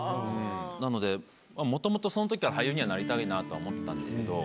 なのでもともとそのときから俳優にはなりたいなとは思ってたんですけど。